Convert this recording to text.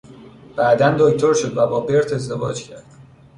بعدا دکتر شد و با برت ازدواج کرد.